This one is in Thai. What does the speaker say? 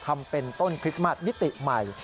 ทำเป็นต้นคริสต์มัสมิติใหม่